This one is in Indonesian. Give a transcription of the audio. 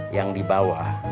yang di bawah